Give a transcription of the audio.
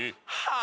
あ！